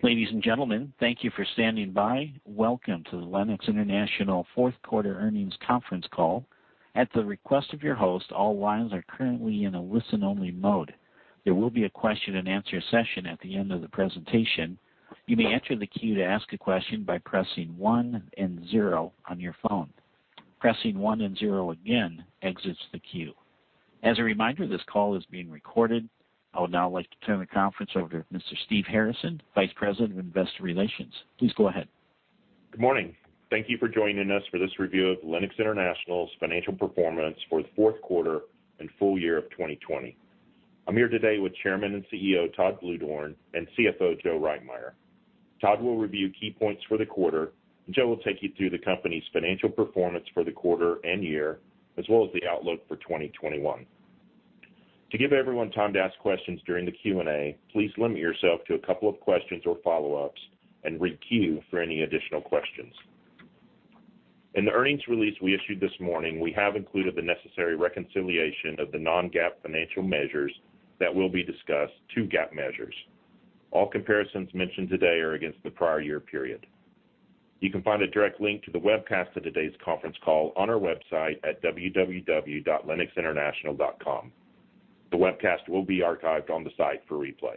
Ladies and gentlemen, thank you for standing by. Welcome to the Lennox International fourth quarter earnings conference call. I would now like to turn the conference over to Mr. Steve Harrison, Vice President of Investor Relations. Please go ahead. Good morning. Thank you for joining us for this review of Lennox International's financial performance for the fourth quarter and full year of 2020. I'm here today with Chairman and CEO, Todd Bluedorn, and CFO, Joe Reitmeier. Todd will review key points for the quarter, and Joe will take you through the company's financial performance for the quarter and year, as well as the outlook for 2021. To give everyone time to ask questions during the Q&A, please limit yourself to a couple of questions or follow-ups and re-queue for any additional questions. In the earnings release we issued this morning, we have included the necessary reconciliation of the non-GAAP financial measures that will be discussed to GAAP measures. All comparisons mentioned today are against the prior year period. You can find a direct link to the webcast of today's conference call on our website at www.lennoxinternational.com. The webcast will be archived on the site for replay.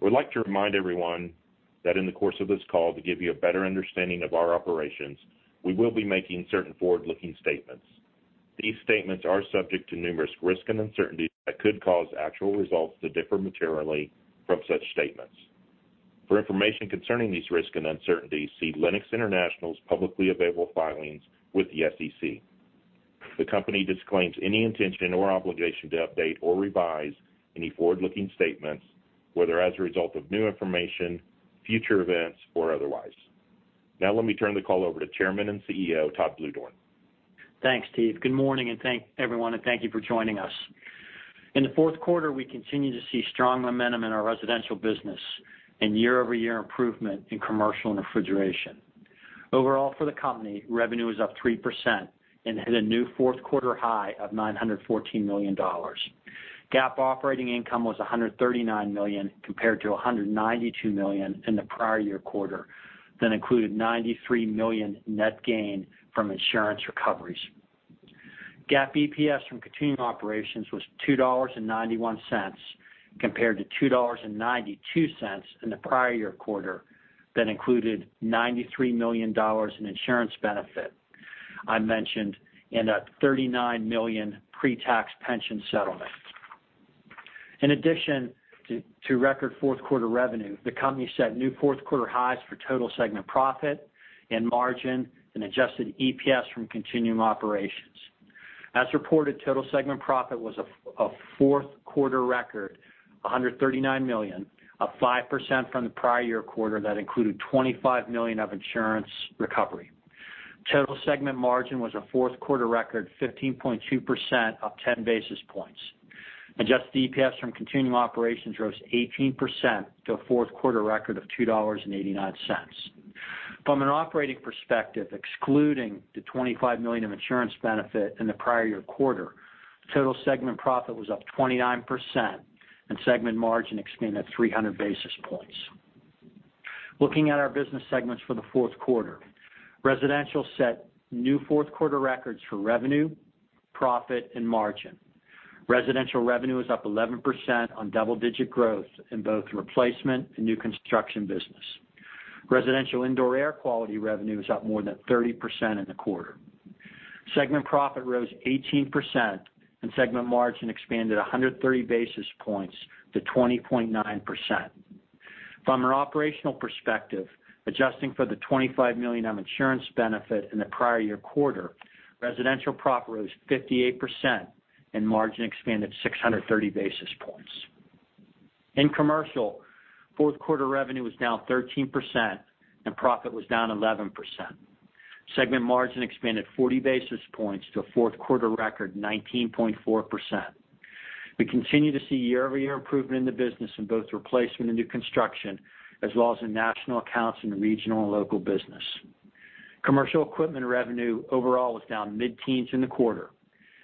We'd like to remind everyone that in the course of this call, to give you a better understanding of our operations, we will be making certain forward-looking statements. These statements are subject to numerous risks and uncertainties that could cause actual results to differ materially from such statements. For information concerning these risks and uncertainties, see Lennox International's publicly available filings with the SEC. The company disclaims any intention or obligation to update or revise any forward-looking statements, whether as a result of new information, future events, or otherwise. Let me turn the call over to Chairman and CEO, Todd Bluedorn. Thanks, Steve. Good morning, everyone, and thank you for joining us. In the fourth quarter, we continued to see strong momentum in our residential business and year-over-year improvement in commercial and refrigeration. Overall for the company, revenue was up 3% and hit a new fourth-quarter high of $914 million. GAAP operating income was $139 million compared to $192 million in the prior year quarter that included $93 million net gain from insurance recoveries. GAAP EPS from continuing operations was $2.91 compared to $2.92 in the prior year quarter that included $93 million in insurance benefit I mentioned in a $39 million pre-tax pension settlement. In addition to record fourth quarter revenue, the company set new fourth quarter highs for total segment profit and margin and adjusted EPS from continuing operations. As reported, total segment profit was a fourth quarter record, $139 million, up 5% from the prior year quarter that included $25 million of insurance recovery. Total segment margin was a fourth quarter record 15.2% up 10 basis points. Adjusted EPS from continuing operations rose 18% to a fourth quarter record of $2.89. From an operating perspective, excluding the $25 million of insurance benefit in the prior year quarter, total segment profit was up 29% and segment margin expanded 300 basis points. Looking at our business segments for the fourth quarter, Residential set new fourth quarter records for revenue, profit, and margin. Residential revenue was up 11% on double-digit growth in both replacement and new construction business. Residential indoor air quality revenue was up more than 30% in the quarter. Segment profit rose 18% and segment margin expanded 130 basis points to 20.9%. From an operational perspective, adjusting for the $25 million of insurance benefit in the prior year quarter, residential profit rose 58% and margin expanded 630 basis points. In commercial, fourth quarter revenue was down 13% and profit was down 11%. Segment margin expanded 40 basis points to a fourth quarter record 19.4%. We continue to see year-over-year improvement in the business in both replacement and new construction, as well as in national accounts and regional and local business. Commercial equipment revenue overall was down mid-teens in the quarter.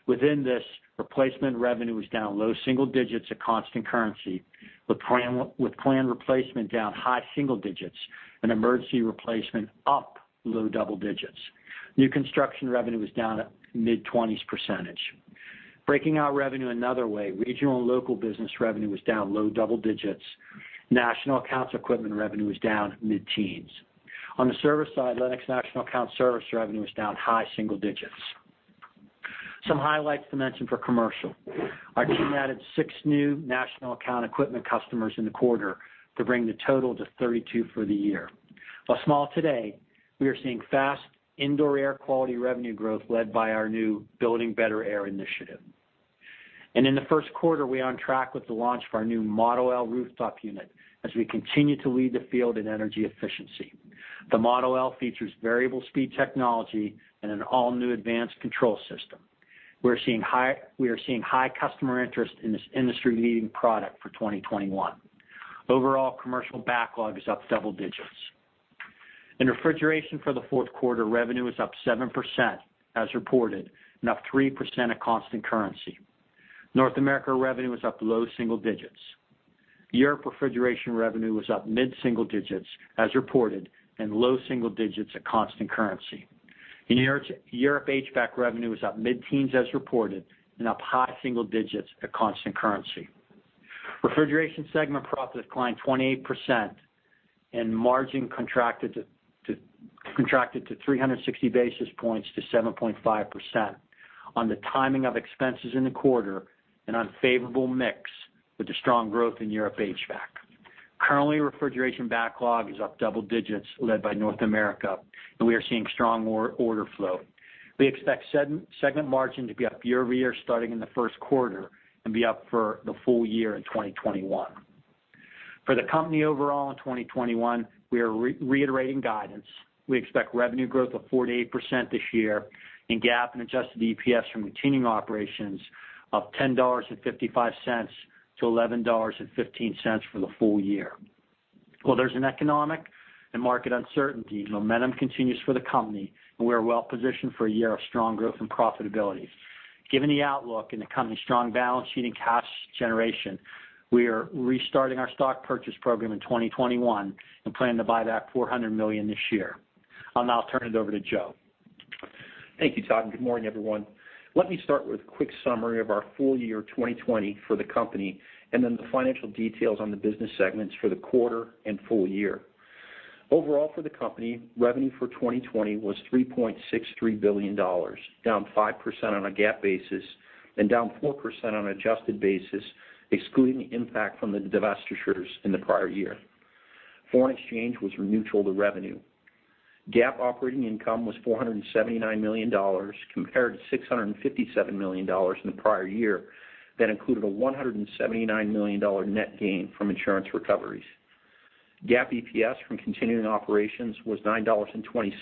Within this, replacement revenue was down low single digits at constant currency, with planned replacement down high single digits and emergency replacement up low double digits. New construction revenue was down at mid-20s percentage. Breaking out revenue another way, regional and local business revenue was down low double digits. National accounts equipment revenue was down mid-teens. On the service side, Lennox National Account Service revenue was down high single digits. Some highlights to mention for commercial. Our team added six new national account equipment customers in the quarter to bring the total to 32 for the year. While small today, we are seeing fast indoor air quality revenue growth led by our new Building Better Air initiative. In the first quarter, we are on track with the launch of our new Model L rooftop unit as we continue to lead the field in energy efficiency. The Model L features variable speed technology and an all-new advanced control system. We are seeing high customer interest in this industry-leading product for 2021. Overall, commercial backlog is up several digits. In refrigeration for the fourth quarter, revenue was up 7% as reported, and up 3% at constant currency. North America revenue was up low single digits. Europe refrigeration revenue was up mid-single digits as reported, and low single digits at constant currency. In Europe, HVAC revenue was up mid-teens as reported, and up high single digits at constant currency. Refrigeration segment profit declined 28%, and margin contracted 360 basis points to 7.5% on the timing of expenses in the quarter and unfavorable mix with the strong growth in Europe HVAC. Currently, refrigeration backlog is up double digits led by North America, and we are seeing strong order flow. We expect segment margin to be up year-over-year starting in the first quarter and be up for the full year in 2021. For the company overall in 2021, we are reiterating guidance. We expect revenue growth of 48% this year in GAAP and adjusted EPS from continuing operations up $10.55 to $11.15 for the full year. While there's an economic and market uncertainty, momentum continues for the company, and we're well positioned for a year of strong growth and profitability. Given the outlook and the company's strong balance sheet and cash generation, we are restarting our stock purchase program in 2021 and plan to buy back $400 million this year. I'll now turn it over to Joe. Thank you, Todd, and good morning, everyone. Let me start with a quick summary of our full year 2020 for the company, and then the financial details on the business segments for the quarter and full year. Overall for the company, revenue for 2020 was $3.63 billion, down 5% on a GAAP basis and down 4% on an adjusted basis, excluding the impact from the divestitures in the prior year. Foreign exchange was neutral to revenue. GAAP operating income was $479 million, compared to $657 million in the prior year. That included a $179 million net gain from insurance recoveries. GAAP EPS from continuing operations was $9.26,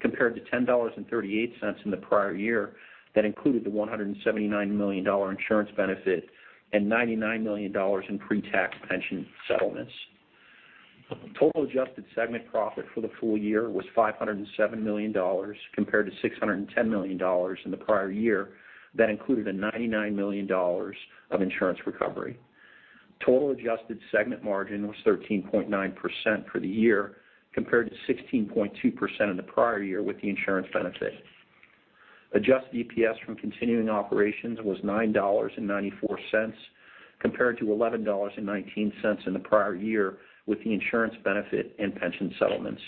compared to $10.38 in the prior year. That included the $179 million insurance benefit and $99 million in pre-tax pension settlements. Total adjusted segment profit for the full year was $507 million, compared to $610 million in the prior year. That included a $99 million of insurance recovery. Total adjusted segment margin was 13.9% for the year, compared to 16.2% in the prior year with the insurance benefit. Adjusted EPS from continuing operations was $9.94, compared to $11.19 in the prior year with the insurance benefit and pension settlements.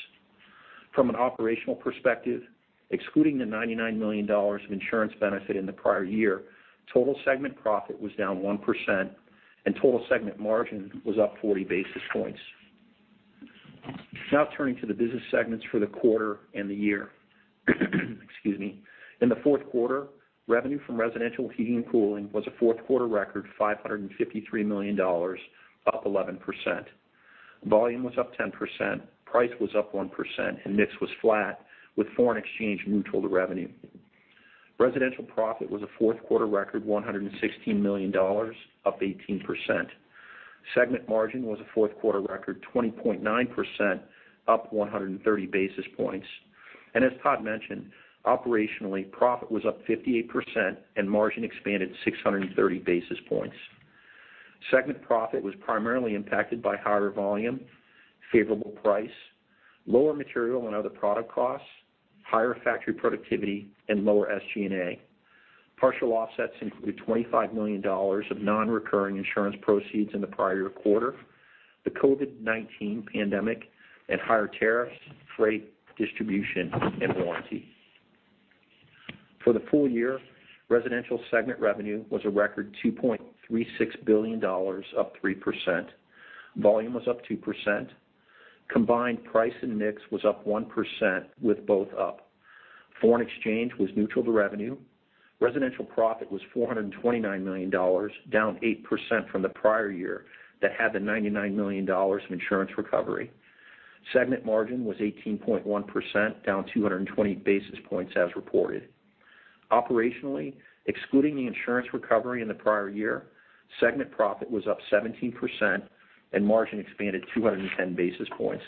From an operational perspective, excluding the $99 million of insurance benefit in the prior year, total segment profit was down 1%, and total segment margin was up 40 basis points. Turning to the business segments for the quarter and the year. Excuse me. In the fourth quarter, revenue from residential heating and cooling was a fourth-quarter record, $553 million, up 11%. Volume was up 10%, price was up 1%, and mix was flat, with foreign exchange neutral to revenue. Residential profit was a fourth quarter record, $116 million, up 18%. Segment margin was a fourth-quarter record, 20.9%, up 130 basis points. As Todd mentioned, operationally, profit was up 58% and margin expanded 630 basis points. Segment profit was primarily impacted by higher volume, favorable price, lower material and other product costs, higher factory productivity, and lower SG&A. Partial offsets include $25 million of non-recurring insurance proceeds in the prior year quarter, the COVID-19 pandemic, and higher tariffs, freight, distribution, and warranty. For the full year, residential segment revenue was a record $2.36 billion, up 3%. Volume was up 2%. Combined price and mix was up 1%, with both up. Foreign exchange was neutral to revenue. Residential profit was $429 million, down 8% from the prior year that had the $99 million of insurance recovery. Segment margin was 18.1%, down 220 basis points as reported. Operationally, excluding the insurance recovery in the prior year, segment profit was up 17%, and margin expanded 210 basis points.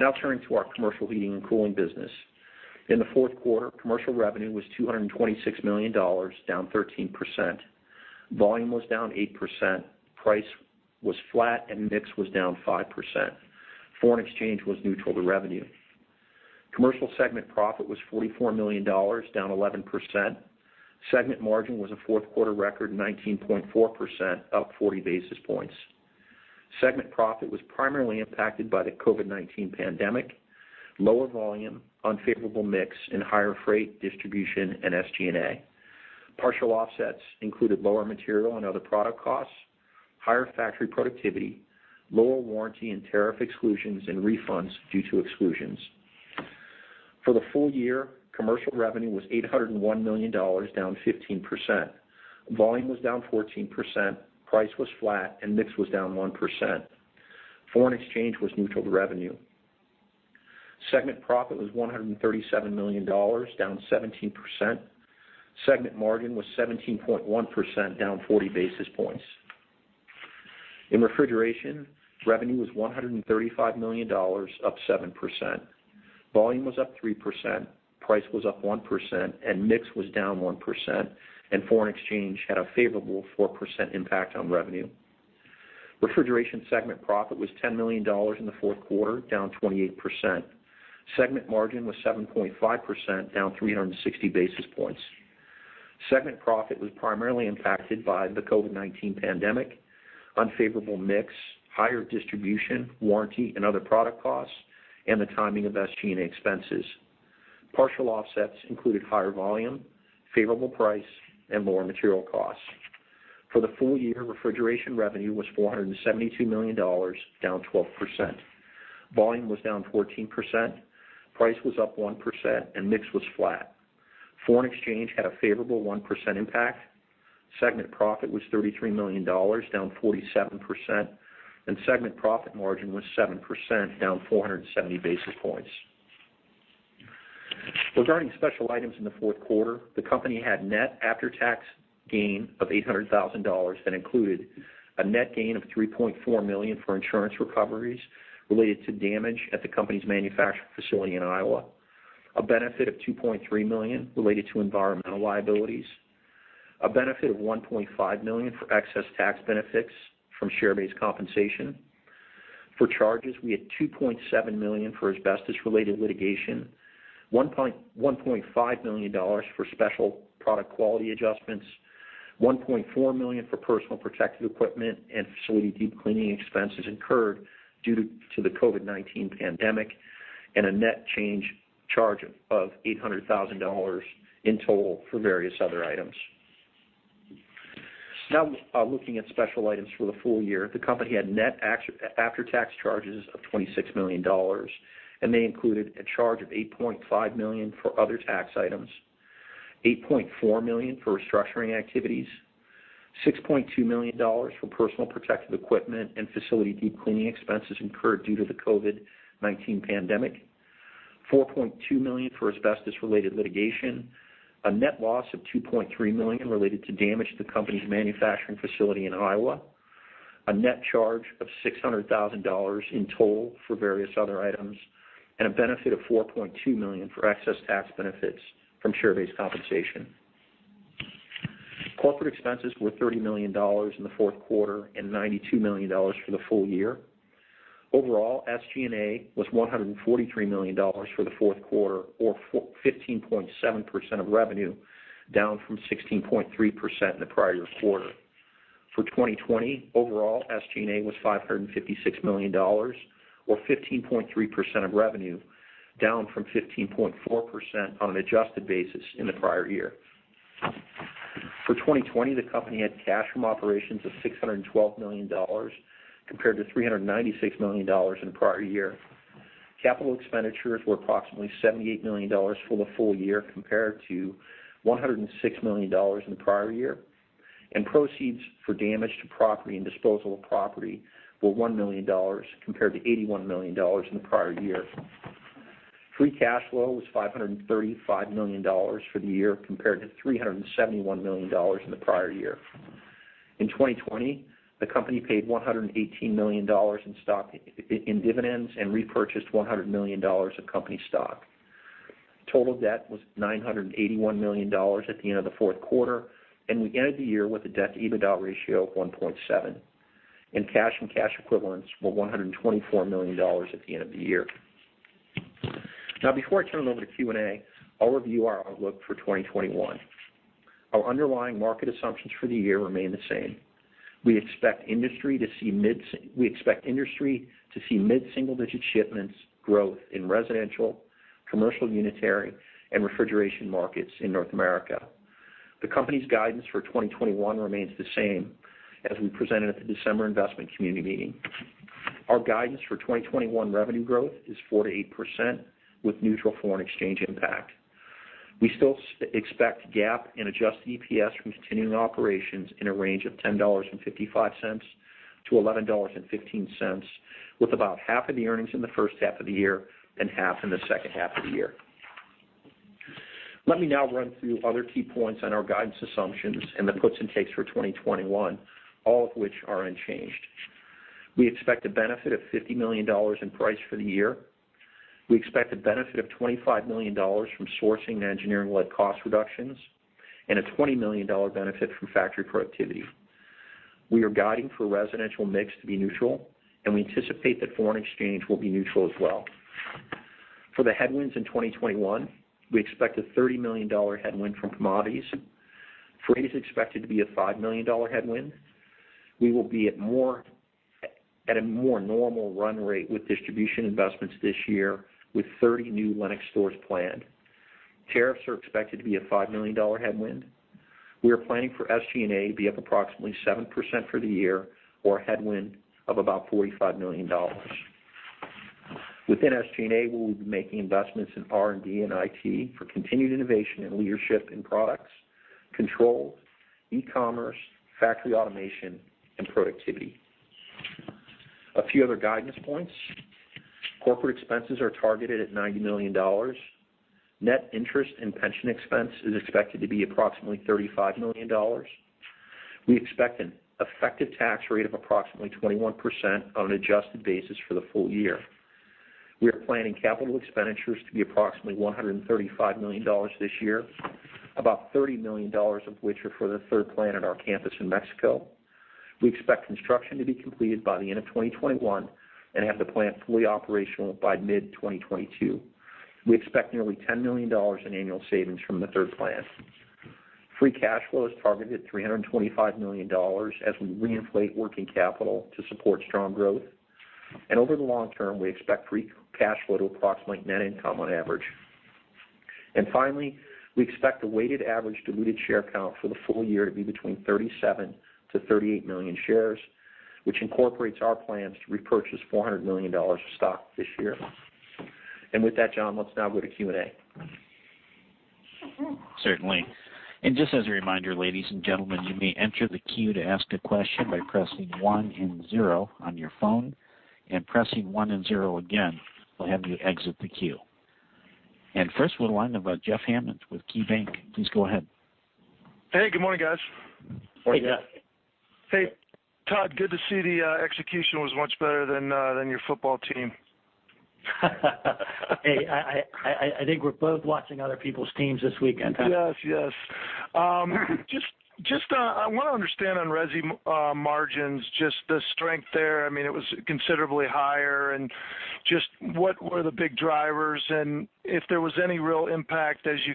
Now turning to our commercial heating and cooling business. In the fourth quarter, commercial revenue was $226 million, down 13%. Volume was down 8%, price was flat, and mix was down 5%. Foreign exchange was neutral to revenue. Commercial segment profit was $44 million, down 11%. Segment margin was a fourth-quarter record, 19.4%, up 40 basis points. Segment profit was primarily impacted by the COVID-19 pandemic, lower volume, unfavorable mix, and higher freight distribution and SG&A. Partial offsets included lower material and other product costs, higher factory productivity, lower warranty and tariff exclusions and refunds due to exclusions. For the full year, commercial revenue was $801 million, down 15%. Volume was down 14%, price was flat, and mix was down 1%. Foreign exchange was neutral to revenue. Segment profit was $137 million, down 17%. Segment margin was 17.1%, down 40 basis points. In refrigeration, revenue was $135 million, up 7%. Volume was up 3%, price was up 1%, and mix was down 1%, and foreign exchange had a favorable 4% impact on revenue. Refrigeration segment profit was $10 million in the fourth quarter, down 28%. Segment margin was 7.5%, down 360 basis points. Segment profit was primarily impacted by the COVID-19 pandemic, unfavorable mix, higher distribution, warranty, and other product costs, and the timing of SG&A expenses. Partial offsets included higher volume, favorable price, and lower material costs. For the full year, refrigeration revenue was $472 million, down 12%. Volume was down 14%, price was up 1%, and mix was flat. Foreign exchange had a favorable 1% impact. Segment profit was $33 million, down 47%, and segment profit margin was 7%, down 470 basis points. Regarding special items in the fourth quarter, the company had net after-tax gain of $800,000 that included a net gain of $3.4 million for insurance recoveries related to damage at the company's manufacturing facility in Iowa, a benefit of $2.3 million related to environmental liabilities, a benefit of $1.5 million for excess tax benefits from share-based compensation. For charges, we had $2.7 million for asbestos-related litigation, $1.5 million for special product quality adjustments, $1.4 million for personal protective equipment and facility deep cleaning expenses incurred due to the COVID-19 pandemic, and a net change charge of $800,000 in total for various other items. Now looking at special items for the full year, the company had net after-tax charges of $26 million, and they included a charge of $8.5 million for other tax items, $8.4 million for restructuring activities, $6.2 million for personal protective equipment and facility deep cleaning expenses incurred due to the COVID-19 pandemic, $4.2 million for asbestos-related litigation, a net loss of $2.3 million related to damage to the company's manufacturing facility in Iowa, a net charge of $600,000 in total for various other items, and a benefit of $4.2 million for excess tax benefits from share-based compensation. Corporate expenses were $30 million in the fourth quarter and $92 million for the full year. Overall, SG&A was $143 million for the fourth quarter or 15.7% of revenue, down from 16.3% in the prior quarter. For 2020, overall SG&A was $556 million or 15.3% of revenue, down from 15.4% on an adjusted basis in the prior year. For 2020, the company had cash from operations of $612 million compared to $396 million in the prior year. Capital expenditures were approximately $78 million for the full year compared to $106 million in the prior year, and proceeds for damage to property and disposal of property were $1 million compared to $81 million in the prior year. Free cash flow was $535 million for the year compared to $371 million in the prior year. In 2020, the company paid $118 million in dividends and repurchased $100 million of company stock. Total debt was $981 million at the end of the fourth quarter, and we ended the year with a debt-EBITDA ratio of 1.7, and cash and cash equivalents were $124 million at the end of the year. Now, before I turn it over to Q&A, I'll review our outlook for 2021. Our underlying market assumptions for the year remain the same. We expect industry to see mid-single-digit shipments growth in residential, commercial unitary, and refrigeration markets in North America. The company's guidance for 2021 remains the same as we presented at the December investment community meeting. Our guidance for 2021 revenue growth is 4%-8% with neutral foreign exchange impact. We still expect GAAP and adjusted EPS from continuing operations in a range of $10.55-$11.15, with about half of the earnings in the first half of the year and half in the second half of the year. Let me now run through other key points on our guidance assumptions and the puts and takes for 2021, all of which are unchanged. We expect a benefit of $50 million in price for the year. We expect a benefit of $25 million from sourcing and engineering-led cost reductions and a $20 million benefit from factory productivity. We are guiding for residential mix to be neutral, and we anticipate that foreign exchange will be neutral as well. For the headwinds in 2021, we expect a $30 million headwind from commodities. Freight is expected to be a $5 million headwind. We will be at a more normal run rate with distribution investments this year with 30 new Lennox stores planned. Tariffs are expected to be a $5 million headwind. We are planning for SG&A to be up approximately 7% for the year or a headwind of about $45 million. Within SG&A, we will be making investments in R&D and IT for continued innovation and leadership in products, controls, e-commerce, factory automation, and productivity. A few other guidance points. Corporate expenses are targeted at $90 million. Net interest and pension expense is expected to be approximately $35 million. We expect an effective tax rate of approximately 21% on an adjusted basis for the full year. We are planning capital expenditures to be approximately $135 million this year, about $30 million of which are for the third plant at our campus in Mexico. We expect construction to be completed by the end of 2021, and have the plant fully operational by mid-2022. We expect nearly $10 million in annual savings from the third plant. Free cash flow is targeted at $325 million as we reinflate working capital to support strong growth. Over the long term, we expect free cash flow to approximate net income on average. Finally, we expect the weighted average diluted share count for the full year to be between 37 million to 38 million shares, which incorporates our plans to repurchase $400 million of stock this year. With that, John, let's now go to Q&A. Certainly. Just as a reminder, ladies and gentlemen, you may enter the queue to ask a question by pressing one and zero on your phone, and pressing one and zero again will have you exit the queue. First we'll go on to Jeff Hammond with KeyBanc. Please go ahead. Hey, good morning, guys. Morning, Jeff. Hey, Todd, good to see the execution was much better than your football team. Hey, I think we're both watching other people's teams this weekend. Yes. I want to understand on resi margins, just the strength there. It was considerably higher. What were the big drivers and if there was any real impact as you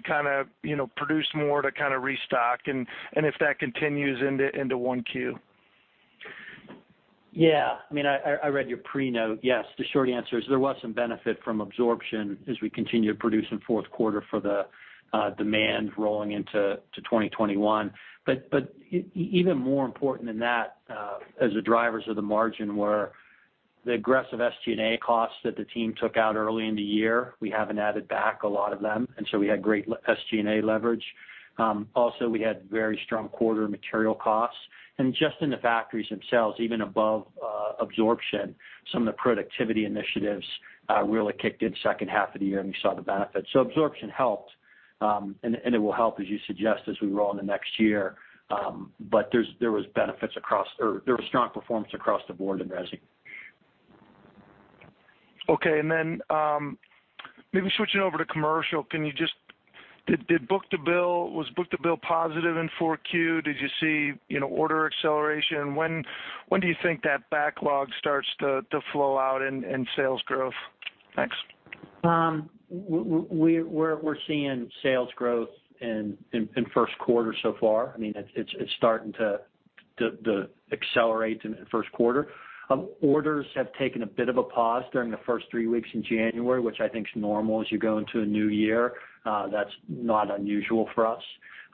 produced more to restock and if that continues into 1Q? I read your pre-note. Yes, the short answer is there was some benefit from absorption as we continued producing fourth quarter for the demand rolling into 2021. Even more important than that, as the drivers of the margin were the aggressive SG&A costs that the team took out early in the year. We haven't added back a lot of them, we had great SG&A leverage. Also, we had very strong quarter material costs. Just in the factories themselves, even above absorption, some of the productivity initiatives really kicked in second half of the year, and we saw the benefits. Absorption helped, and it will help, as you suggest, as we roll into next year. There was strong performance across the board in resi. Okay. Maybe switching over to commercial, was book-to-bill positive in 4Q? Did you see order acceleration? When do you think that backlog starts to flow out in sales growth? Thanks. We're seeing sales growth in first quarter so far. It's starting to accelerate in first quarter. Orders have taken a bit of a pause during the first three weeks in January, which I think is normal as you go into a new year. That's not unusual for us.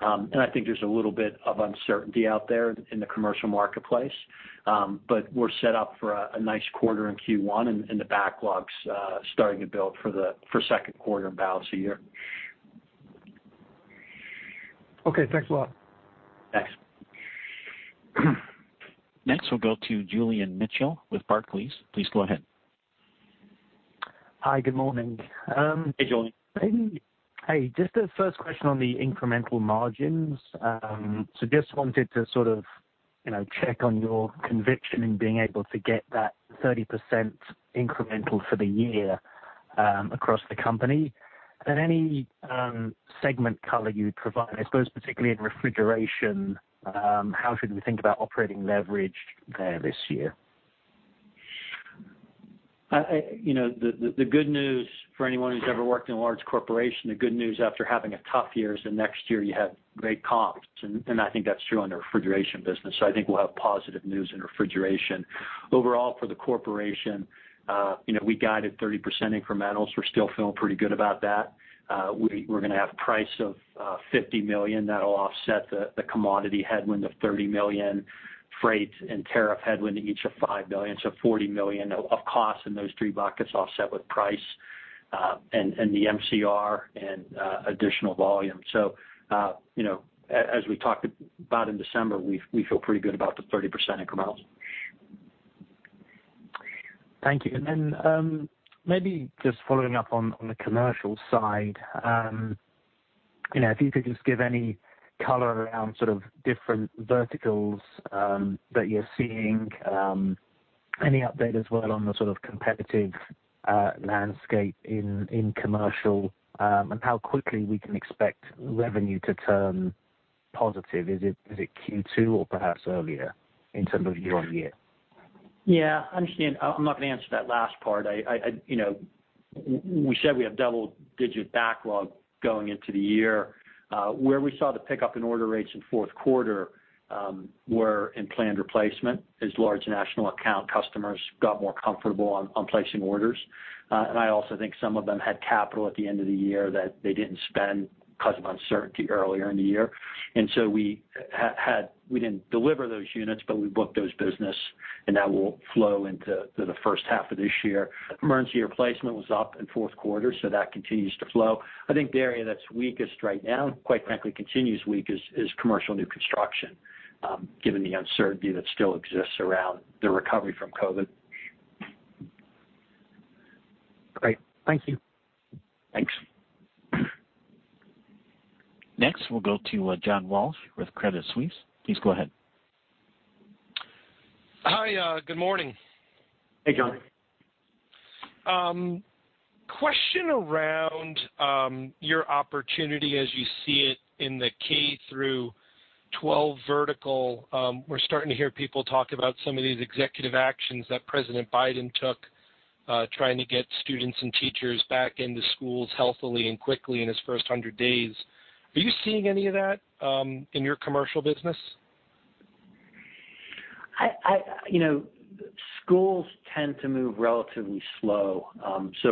I think there's a little bit of uncertainty out there in the commercial marketplace. We're set up for a nice quarter in Q1, and the backlog's starting to build for second quarter and balance of the year. Okay, thanks a lot. Thanks. Next, we'll go to Julian Mitchell with Barclays. Please go ahead. Hi, good morning. Hey, Julian. Hey. Just a first question on the incremental margins. Just wanted to sort of check on your conviction in being able to get that 30% incremental for the year across the company. Any segment color you'd provide, I suppose particularly in refrigeration, how should we think about operating leverage there this year? The good news for anyone who's ever worked in a large corporation, the good news after having a tough year is the next year you have great comps, and I think that's true on the refrigeration business. I think we'll have positive news in refrigeration. Overall for the corporation, we guided 30% incrementals. We're still feeling pretty good about that. We're going to have price of $50 million that'll offset the commodity headwind of $30 million, freight and tariff headwind each of $5 million, so $40 million of costs in those three buckets offset with price, and the MCR and additional volume. As we talked about in December, we feel pretty good about the 30% incrementals. Thank you. Maybe just following up on the commercial side, if you could just give any color around sort of different verticals that you're seeing, any update as well on the sort of competitive landscape in commercial, and how quickly we can expect revenue to turn positive. Is it Q2 or perhaps earlier in terms of year-on-year? Yeah, understand. I'm not going to answer that last part. We said we have double-digit backlog going into the year. Where we saw the pickup in order rates in fourth quarter were in planned replacement as large national account customers got more comfortable on placing orders. I also think some of them had capital at the end of the year that they didn't spend because of uncertainty earlier in the year. We didn't deliver those units, but we booked those business and that will flow into the first half of this year. Emergency replacement was up in fourth quarter, that continues to flow. I think the area that's weakest right now, quite frankly, continues weak is commercial new construction, given the uncertainty that still exists around the recovery from COVID. Great. Thank you. Thanks. Next, we'll go to John Walsh with Credit Suisse. Please go ahead. Hi. Good morning. Hey, John. Question around your opportunity as you see it in the K-12 vertical. We're starting to hear people talk about some of these executive actions that President Biden took, trying to get students and teachers back into schools healthily and quickly in his first 100 days. Are you seeing any of that in your commercial business? Schools tend to move relatively slow.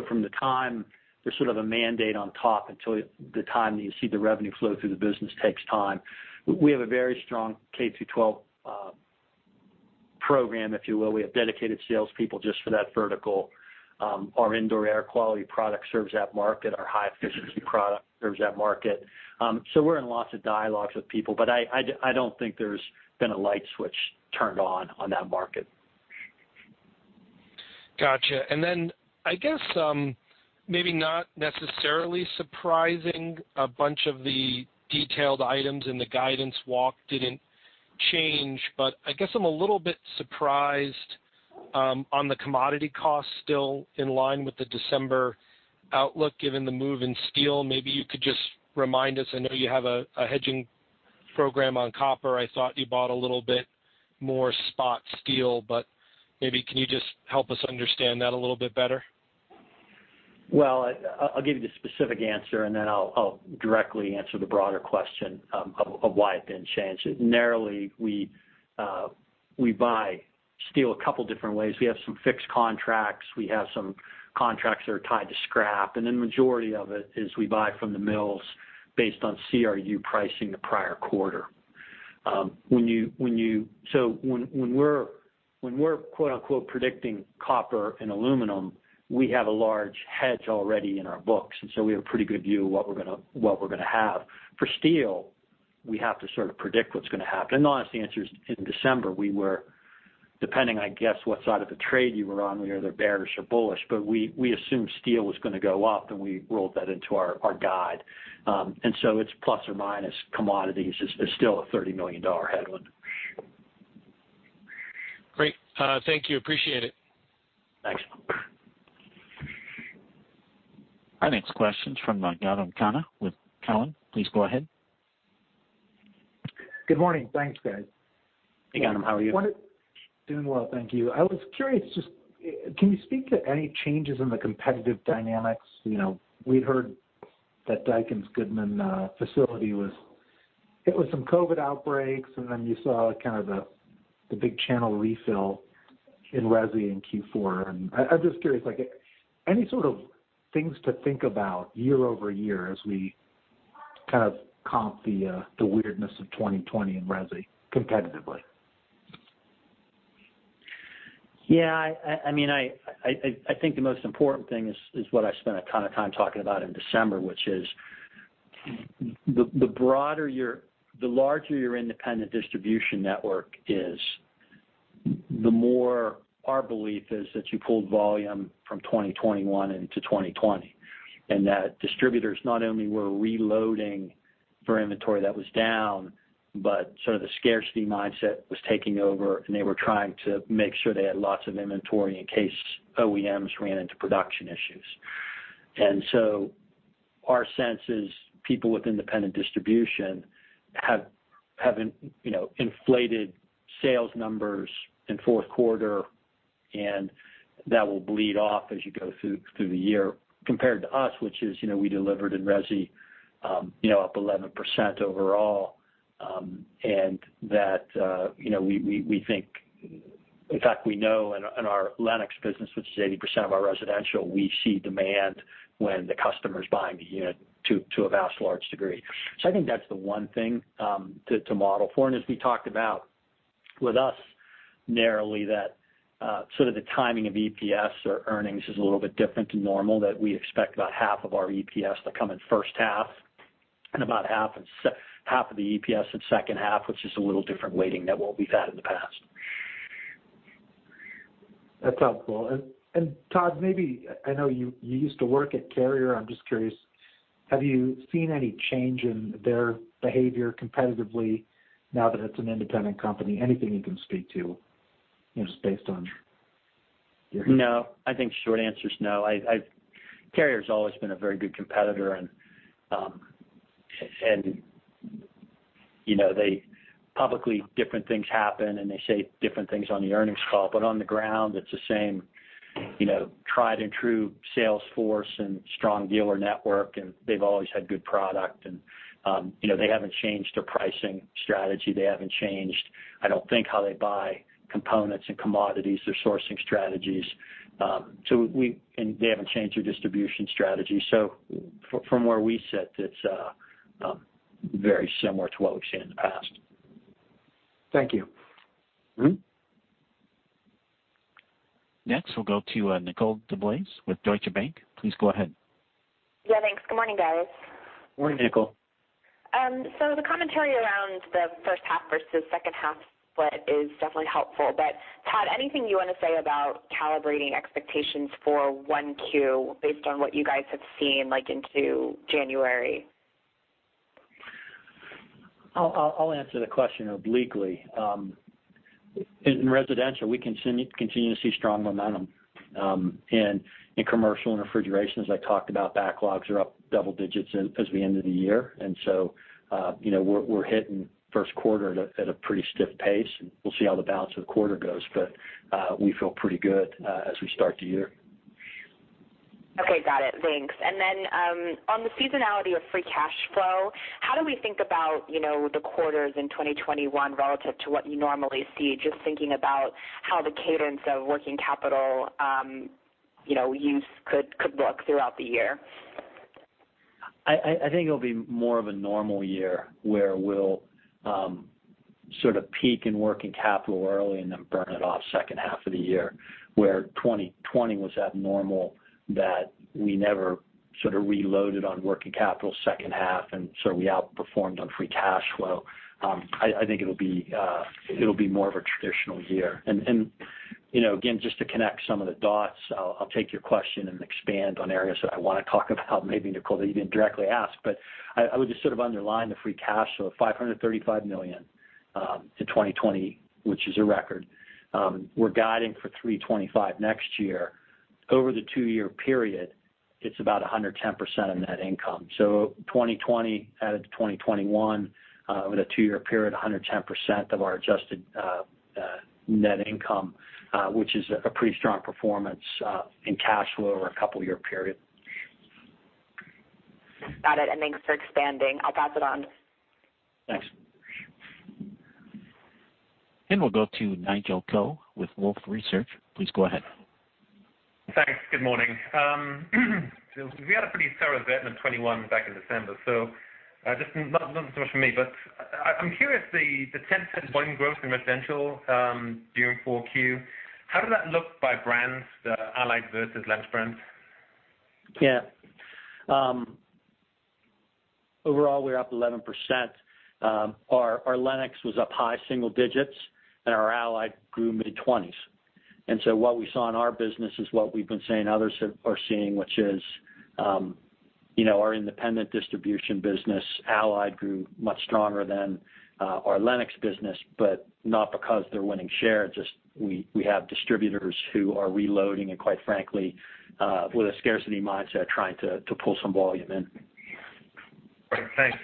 From the time there's sort of a mandate on top until the time that you see the revenue flow through the business takes time. We have a very strong K-12 program, if you will. We have dedicated salespeople just for that vertical. Our indoor air quality product serves that market. Our high-efficiency product serves that market. We're in lots of dialogues with people, but I don't think there's been a light switch turned on on that market. Got you. I guess, maybe not necessarily surprising, a bunch of the detailed items in the guidance walk didn't change, but I guess I'm a little bit surprised on the commodity costs still in line with the December outlook, given the move in steel. Maybe you could just remind us, I know you have a hedging program on copper. I thought you bought a little bit more spot steel, but maybe can you just help us understand that a little bit better? Well, I'll give you the specific answer, and then I'll directly answer the broader question of why it didn't change. Narrowly, we buy steel a couple different ways. We have some fixed contracts, we have some contracts that are tied to scrap, and then majority of it is we buy from the mills based on CRU pricing the prior quarter. When we're, quote-unquote, predicting copper and aluminum, we have a large hedge already in our books, and so we have a pretty good view of what we're going to have. For steel, we have to sort of predict what's going to happen. The honest answer is, in December, we were, depending, I guess, what side of the trade you were on, we were either bearish or bullish, but we assumed steel was going to go up, and we rolled that into our guide. It's plus or minus commodities is still a $30 million headwind. Great. Thank you. Appreciate it. Thanks. Our next question's from Gautam Khanna with Cowen. Please go ahead. Good morning. Thanks, guys. Hey, Gautam. How are you? Doing well, thank you. I was curious, just can you speak to any changes in the competitive dynamics? We'd heard that Daikin's Goodman facility, it was some COVID outbreaks, and then you saw kind of the big channel refill in resi in Q4. I'm just curious, any sort of things to think about year-over-year as we kind of comp the weirdness of 2020 in resi competitively? I think the most important thing is what I spent a ton of time talking about in December, which is the larger your independent distribution network is, the more our belief is that you pulled volume from 2021 into 2020. That distributors not only were reloading for inventory that was down, but sort of the scarcity mindset was taking over, and they were trying to make sure they had lots of inventory in case OEMs ran into production issues. Our sense is people with independent distribution have inflated sales numbers in fourth quarter, and that will bleed off as you go through the year. Compared to us, which is we delivered in resi up 11% overall. That we think, in fact we know in our Lennox business, which is 80% of our residential, we see demand when the customer's buying the unit to a vast large degree. I think that's the one thing to model for. As we talked about with us narrowly, that sort of the timing of EPS or earnings is a little bit different to normal, that we expect about half of our EPS to come in first half and about half of the EPS in second half, which is a little different weighting than what we've had in the past. That's helpful. Todd, I know you used to work at Carrier. I'm just curious, have you seen any change in their behavior competitively now that it's an independent company, anything you can speak to, just based on your? No, I think short answer's no. Carrier's always been a very good competitor. Publicly, different things happen, they say different things on the earnings call, but on the ground it's the same tried and true sales force and strong dealer network, they've always had good product. They haven't changed their pricing strategy. They haven't changed, I don't think, how they buy components and commodities, their sourcing strategies. They haven't changed their distribution strategy. From where we sit, it's very similar to what we've seen in the past. Thank you. Next, we'll go to Nicole DeBlase with Deutsche Bank. Please go ahead. Yeah, thanks. Good morning, guys. Morning, Nicole. The commentary around the first half versus second half split is definitely helpful. Todd, anything you want to say about calibrating expectations for 1Q based on what you guys have seen into January? I'll answer the question obliquely. In residential, we continue to see strong momentum. In commercial and refrigeration, as I talked about, backlogs are up double digits as we end the year. We're hitting first quarter at a pretty stiff pace, and we'll see how the balance of the quarter goes. We feel pretty good as we start the year. Okay, got it. Thanks. On the seasonality of free cash flow, how do we think about the quarters in 2021 relative to what you normally see? Just thinking about how the cadence of working capital use could look throughout the year. I think it'll be more of a normal year, where we'll sort of peak in working capital early and then burn it off second half of the year, where 2020 was abnormal, that we never sort of reloaded on working capital second half. We outperformed on free cash flow. I think it'll be more of a traditional year. Again, just to connect some of the dots, I'll take your question and expand on areas that I want to talk about maybe, Nicole, that you didn't directly ask. I would just sort of underline the free cash flow of $535 million to 2020, which is a record. We're guiding for $325 million next year. Over the two-year period, it's about 110% of net income. 2020 added to 2021, over the two-year period, 110% of our adjusted net income, which is a pretty strong performance in cash flow over a couple-year period. Got it, and thanks for expanding. I'll pass it on. Thanks. We'll go to Nigel Coe with Wolfe Research. Please go ahead. Thanks. Good morning. We had a pretty thorough event in 2021 back in December, so not so much for me. I'm curious, the 10% volume growth in residential during 4Q, how did that look by brands, Allied versus Lennox brands? Overall, we're up 11%. Our Lennox was up high single digits, and our Allied grew mid-20s. What we saw in our business is what we've been saying others are seeing, which is our independent distribution business, Allied, grew much stronger than our Lennox business, but not because they're winning share. Just we have distributors who are reloading and quite frankly with a scarcity mindset, trying to pull some volume in. Right. Thanks.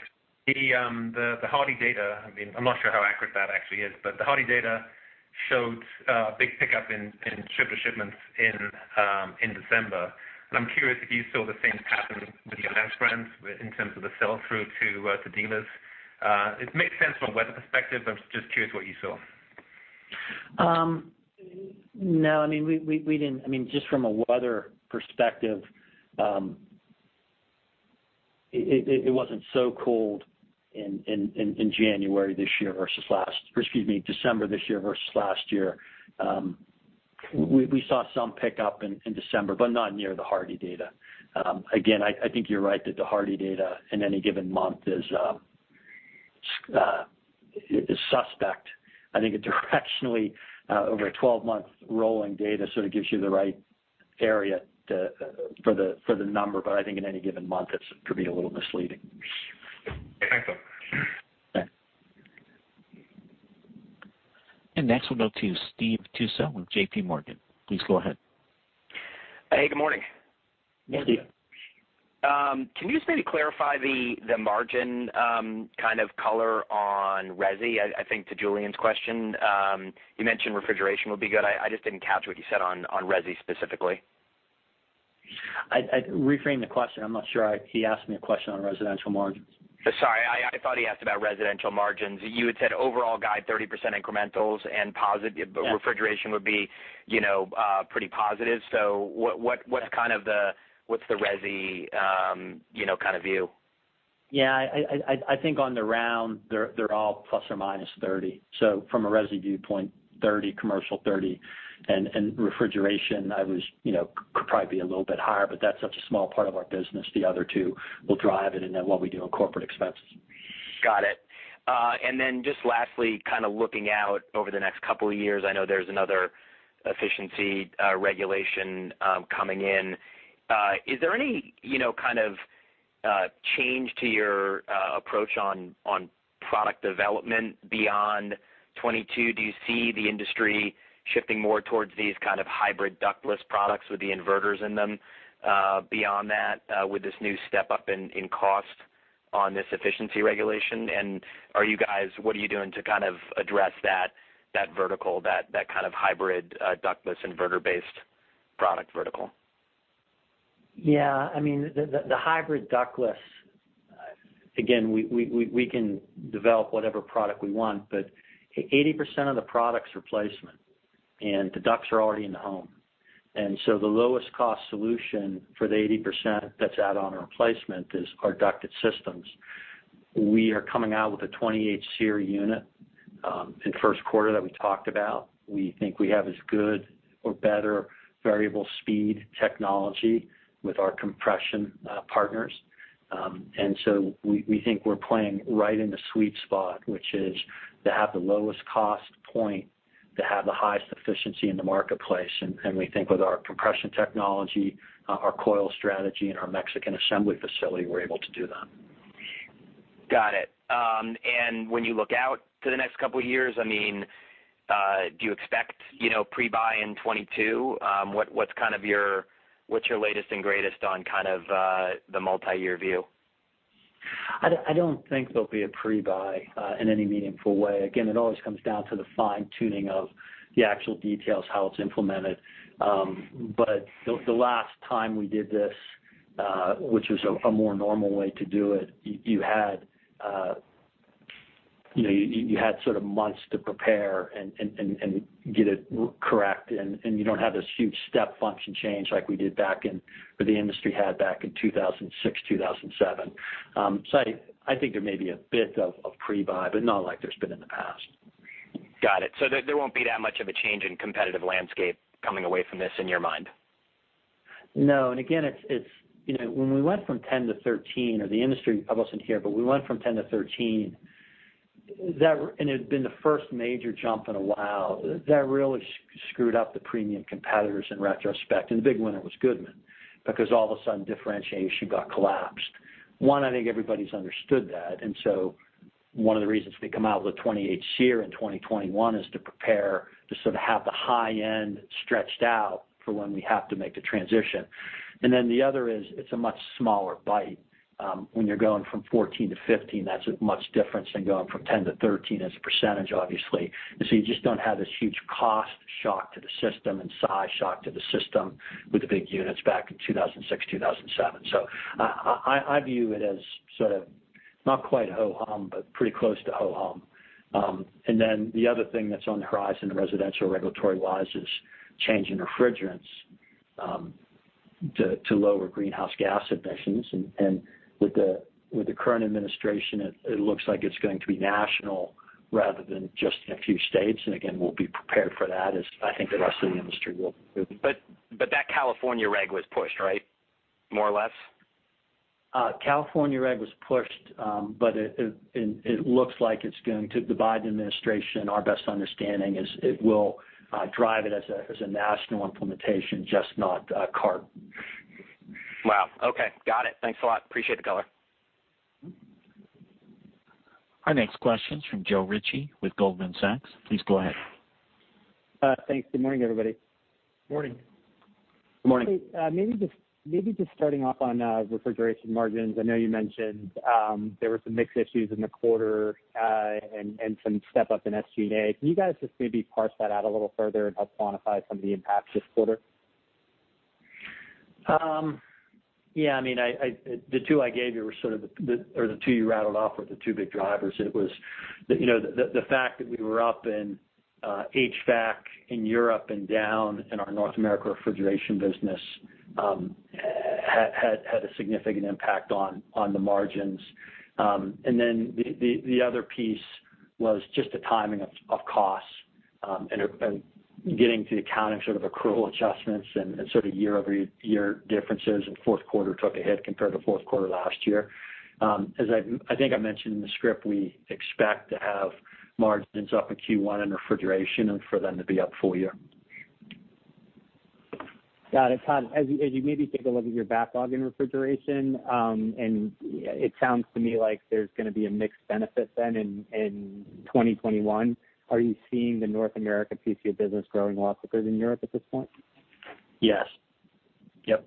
The HARDI data, I'm not sure how accurate that actually is. The HARDI data showed a big pickup in shipper shipments in December. I'm curious if you saw the same pattern with your Lennox brands in terms of the sell-through to dealers. It makes sense from a weather perspective. I'm just curious what you saw. No, we didn't. Just from a weather perspective, it wasn't so cold in January this year versus December this year versus last year. We saw some pickup in December, but not near the HARDI data. Again, I think you're right that the HARDI data in any given month is suspect. I think directionally over a 12-month rolling data sort of gives you the right area for the number. I think in any given month, it could be a little misleading. Thanks. Yeah. Next we'll go to Steve Tusa with JPMorgan. Please go ahead. Hey, good morning. Morning, Steve. Can you just maybe clarify the margin kind of color on resi? I think to Julian's question. You mentioned refrigeration would be good. I just didn't catch what you said on resi specifically. Reframe the question. I'm not sure he asked me a question on residential margins. Sorry, I thought he asked about residential margins. You had said overall guide 30% incrementals and positive-. Yeah Refrigeration would be pretty positive. What's the resi kind of view? Yeah. I think on the round, they're all ±30. From a resi viewpoint, 30 commercial, 30. Refrigeration could probably be a little bit higher, but that's such a small part of our business. The other two will drive it and then what we do on corporate expenses. Got it. Then just lastly, kind of looking out over the next couple of years, I know there's another efficiency regulation coming in. Is there any kind of change to your approach on product development beyond 2022? Do you see the industry shifting more towards these kind of hybrid ductless products with the inverters in them beyond that with this new step up in cost on this efficiency regulation? What are you doing to kind of address that vertical, that kind of hybrid ductless inverter-based product vertical? Yeah. The hybrid ductless, again, we can develop whatever product we want, 80% of the product's replacement, the ducts are already in the home. The lowest cost solution for the 80% that's out on a replacement are ducted systems. We are coming out with a 28 SEER unit in first quarter that we talked about. We think we have as good or better variable speed technology with our compression partners. We think we're playing right in the sweet spot, which is to have the lowest cost point, to have the highest efficiency in the marketplace. We think with our compression technology, our coil strategy, and our Mexican assembly facility, we're able to do that. Got it. When you look out to the next couple of years, do you expect pre-buy in 2022? What's your latest and greatest on the multi-year view? I don't think there'll be a pre-buy in any meaningful way. Again, it always comes down to the fine-tuning of the actual details, how it's implemented. The last time we did this, which was a more normal way to do it, you had months to prepare and get it correct. You don't have this huge step function change like we did back in, or the industry had back in 2006, 2007. I think there may be a bit of pre-buy, but not like there's been in the past. Got it. There won't be that much of a change in competitive landscape coming away from this in your mind? No. Again, when we went from 10 to 13, or the industry, I wasn't here, but we went from 10 to 13, and it had been the first major jump in a while. That really screwed up the premium competitors in retrospect. The big winner was Goodman, because all of a sudden, differentiation got collapsed. One, I think everybody's understood that. One of the reasons we come out with a 28 SEER in 2021 is to prepare to sort of have the high end stretched out for when we have to make the transition. The other is, it's a much smaller bite when you're going from 14 to 15. That's much difference than going from 10 to 13 as a percentage, obviously. You just don't have this huge cost shock to the system and size shock to the system with the big units back in 2006, 2007. I view it as sort of not quite ho-hum, but pretty close to ho-hum. The other thing that's on the horizon residential regulatory-wise is change in refrigerants to lower greenhouse gas emissions. With the current administration, it looks like it's going to be national rather than just in a few states. We'll be prepared for that, as I think the rest of the industry will be. That California reg was pushed, right? More or less? California reg was pushed, it looks like the Biden administration, our best understanding, is it will drive it as a national implementation, just not CARB. Wow, okay. Got it. Thanks a lot. Appreciate the color. Our next question's from Joe Ritchie with Goldman Sachs. Please go ahead. Thanks. Good morning, everybody. Morning. Good morning. Maybe just starting off on refrigeration margins. I know you mentioned there were some mix issues in the quarter, and some step up in SG&A. Can you guys just maybe parse that out a little further and help quantify some of the impacts this quarter? The two I gave you or the two you rattled off were the two big drivers. It was the fact that we were up in HVAC in Europe and down in our North America refrigeration business had a significant impact on the margins. The other piece was just the timing of costs, and getting to account and sort of accrual adjustments and sort of year-over-year differences, and fourth quarter took a hit compared to fourth quarter last year. As I think I mentioned in the script, we expect to have margins up in Q1 in refrigeration and for them to be up full year. Got it. As you maybe take a look at your backlog in refrigeration, it sounds to me like there's going to be a mixed benefit then in 2021. Are you seeing the North America piece of your business growing a lot because of Europe at this point? Yes. Yep.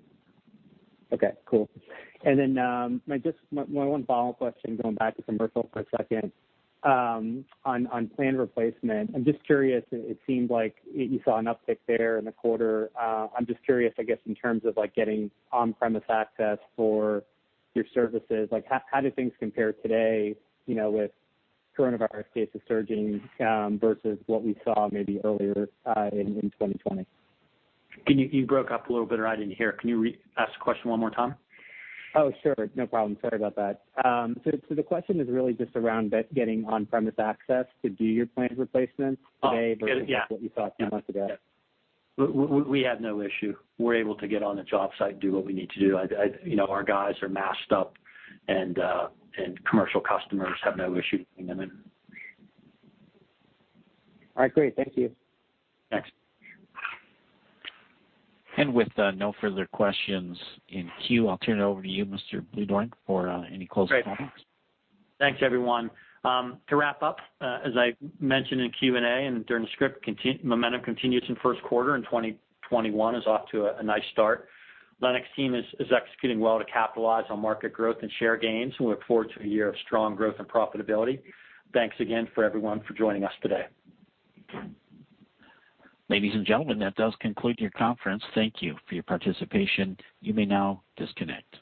Okay, cool. My one follow-up question, going back to commercial for a second. On planned replacement, I'm just curious, it seemed like you saw an uptick there in the quarter. I'm just curious, I guess, in terms of getting on-premise access for your services, how do things compare today, with COVID-19 cases surging, versus what we saw maybe earlier in 2020? You broke up a little bit or I didn't hear. Can you ask the question one more time? Oh, sure. No problem. Sorry about that. The question is really just around getting on-premise access to do your planned replacements today. Oh, get it. Yeah. versus what you saw two months ago. We have no issue. We're able to get on the job site and do what we need to do. Our guys are masked up, and commercial customers have no issue letting them in. All right, great. Thank you. Thanks. With no further questions in queue, I'll turn it over to you, Mr. Bluedorn, for any closing comments. Great. Thanks, everyone. To wrap up, as I mentioned in Q&A and during the script, momentum continues in first quarter, and 2021 is off to a nice start. Lennox team is executing well to capitalize on market growth and share gains. We look forward to a year of strong growth and profitability. Thanks again for everyone for joining us today. Ladies and gentlemen, that does conclude your conference. Thank you for your participation. You may now disconnect.